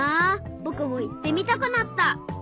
ぼくもいってみたくなった。